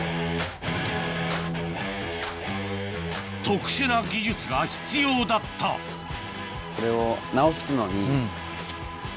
特殊な技術が必要だったこれを。